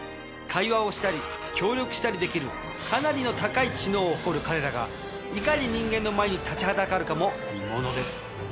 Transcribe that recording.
会話をしたり協力したりできるかなりの高い知能を誇る彼らがいかに人間の前に立ちはだかるかも見ものです。